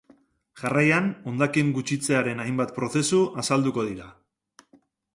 Jarraian, hondakin-gutxitzearen hainbat prozesu azalduko dira.